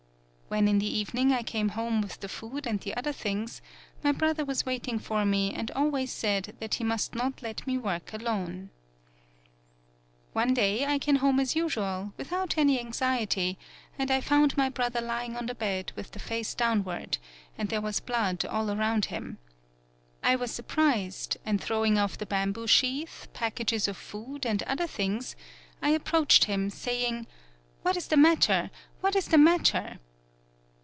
When, in the evening, I came home with the food and the other things, my brother was waiting for me and al ways said that he must not let me work alone. 23 PAULOWNIA "One day I came home as usual, without any anxiety, and I found my brother lying on the bed with the face downward, and there was blood all around him. I was surprised, and throwing off the bamboo sheath pack ages of food and other things I ap proached him, saying: 'What is the matter ! What is the matter